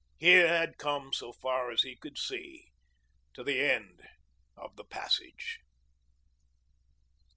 He had come, so far as he could see, to the end of the passage.